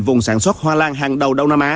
vùng sản xuất hoa lan hàng đầu đông nam á